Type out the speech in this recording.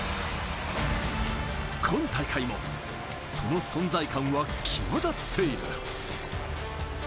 今大会もその存在感は際立っている。